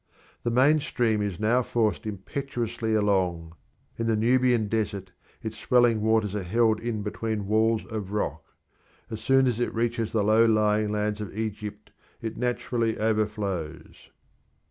The main stream is now forced impetuously along; in the Nubian desert its swelling waters are held in between walls of rock; as soon as it reaches the low lying lands of Egypt it naturally overflows.